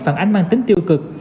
phản ánh mang tính tiêu cực